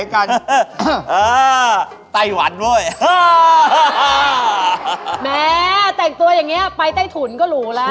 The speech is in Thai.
มันจะนานนะ